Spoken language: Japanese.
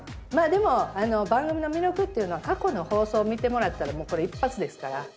まあでも番組の魅力っていうのは過去の放送を見てもらったらもうこれ一発ですから。